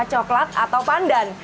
rasa coklat atau pandan